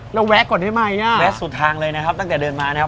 แล้วแวะก่อนได้ไหมอ่ะแวะสุดทางเลยนะครับตั้งแต่เดินมานะครับ